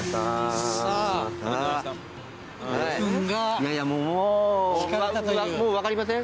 いやいやもう分かりません？